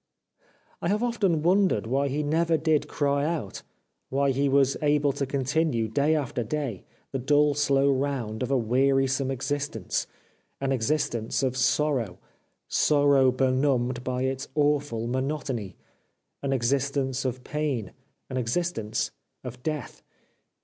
" I have often wondered why he never did cry out, why he was able to continue, day after day, the dull, slow round of a wearisome existence — an existence of sorrow : sorrow benumbed by its awful monotony ; an existence of pain, an exist ence of death.